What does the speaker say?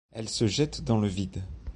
Elle se jette dans le vide.